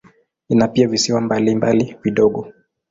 Ina pia visiwa mbalimbali vidogo.